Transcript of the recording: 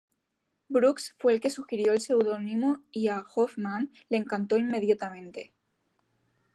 Brooks fue el que sugirió el seudónimo y a Hoffman le encantó inmediatamente.